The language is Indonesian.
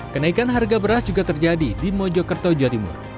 kenaikan harga beras juga terjadi di mojokerto jatimur